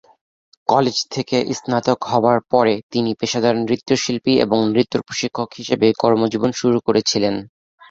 College থেকে স্নাতক হওয়ার পরে তিনি পেশাদার নৃত্যশিল্পী এবং নৃত্য প্রশিক্ষক হিসাবে কর্মজীবন শুরু করেছিলেন।